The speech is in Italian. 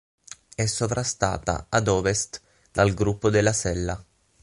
È sovrastata ad ovest dal gruppo del Sella.